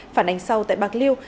phản ánh sau tại bạc liêu